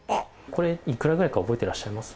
これ、いくらぐらいか覚えてらっしゃいます？